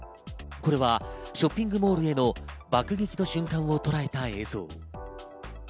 これはショッピングモールへの爆撃の瞬間をとらえた映像。